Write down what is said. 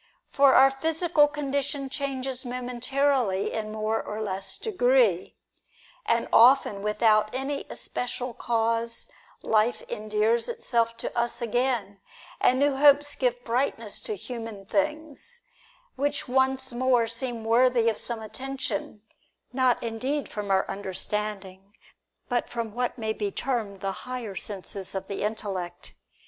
For our physical condition changes momentarily in more or less degree ; and often without any especial cause life endears itself to us again, and new hopes give brightness to human things, which once more seem worthy of some attention, not indeed from our understanding, but from what may be termed the higher senses of the intellect.